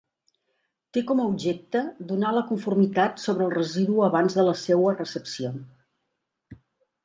Té com a objecte donar la conformitat sobre el residu abans de la seua recepció.